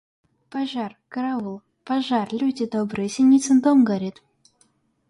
Пожар! Караул! Пожар, люди добрые, Синицин дом горит!